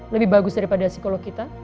lebih bagus daripada psikolog kita